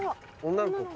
女の子か？